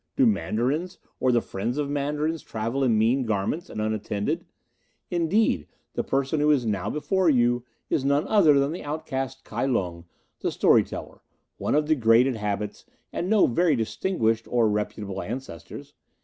Do Mandarins or the friends of Mandarins travel in mean garments and unattended? Indeed, the person who is now before you is none other than the outcast Kai Lung, the story teller, one of degraded habits and no very distinguished or reputable ancestors.